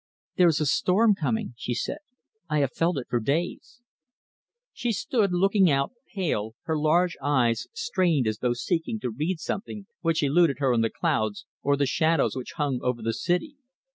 "There is a storm coming," she said. "I have felt it for days." She stood looking out, pale, her large eyes strained as though seeking to read something which eluded her in the clouds or the shadows which hung over the city.